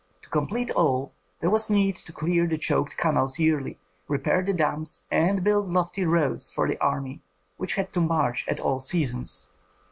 To complete all, there was need to clear the choked canals yearly, repair the dams and build lofty roads for the army, which had to march at all seasons.